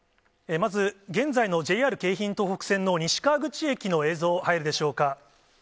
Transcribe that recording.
まず、現在のＪＲ京浜東北線の西川口駅の映像、入るでしょうか。